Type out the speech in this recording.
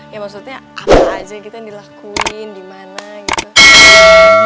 ya maksudnya apa aja gitu yang dilakuin dimana gitu